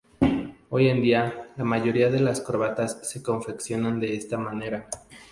Hoy en día, la mayoría de las corbatas se confeccionan de esta manera.